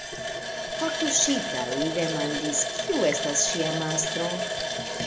Kortuŝita, li demandis, kiu estas ŝia mastro.